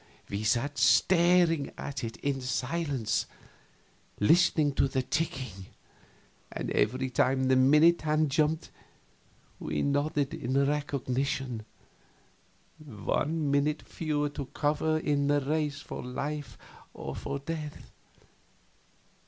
We sat staring at it in silence, listening to the ticking, and every time the minute hand jumped we nodded recognition one minute fewer to cover in the race for life or for death.